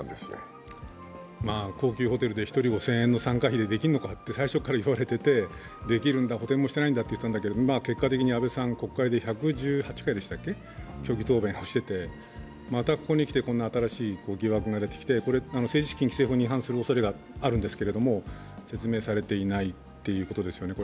高級ホテルで１人５０００円の参加費でできるんだと最初から言われていて、できるんだ補填もしていないんだと言っていたけれども、結果的に安倍さん、国会で１１８回でしたっけ、虚偽答弁をしてて、またここにきて新しい疑惑が出てきて、政治資金規正法に違反するおそれがあるんですけれども、説明されていないということですね。